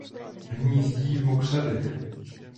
Hnízdí v mokřadech.